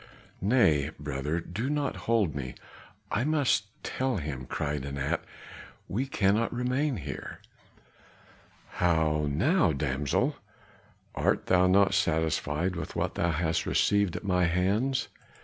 "Nay, brother, do not hold me, I must tell him," cried Anat. "We cannot remain here." "How now, damsel, art thou not satisfied with what thou hast received at my hands?"